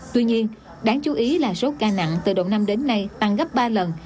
tuy nhiên đáng chú ý là số ca nặng từ đầu năm đến nay tăng gấp ba lần